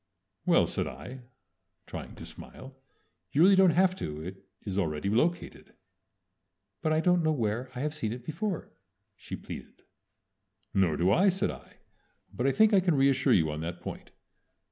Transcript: "Well," said I, trying to smile, "you really don't have to. It is already located." "But I don't know where I have seen it before," she pleaded. "Nor do I," said I, "but I think I can reassure you on that point.